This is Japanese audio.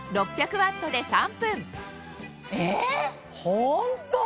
ホント？